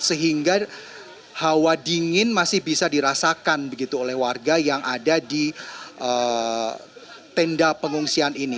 sehingga hawa dingin masih bisa dirasakan begitu oleh warga yang ada di tenda pengungsian ini